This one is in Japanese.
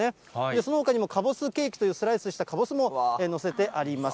そのほかにも、かぼすケーキというスライスしたかぼすも載せてあります。